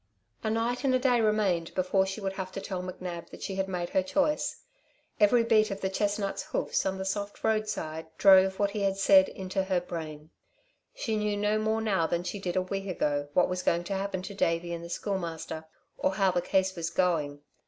A night and a day remained before she would have to tell McNab that she had made her choice. Every beat of the chestnut's hoofs on the soft roadside drove what he had said into her brain. She knew no more now than she did a week ago what was going to happen to Davey and the Schoolmaster, or how the case was going.